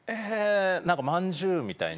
何かまんじゅうみたいな。